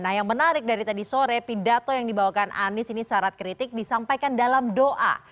nah yang menarik dari tadi sore pidato yang dibawakan anies ini syarat kritik disampaikan dalam doa